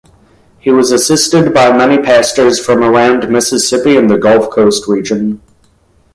He was assisted by many pastors from around Mississippi and the Gulf Coast region.